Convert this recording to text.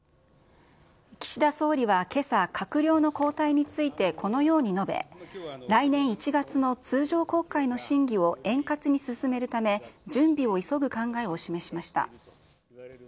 岸田総理はけさ、閣僚の交代についてこのように述べ、来年１月の通常国会の審議を円滑に進めるため、準備を急ぐ考えを示しました。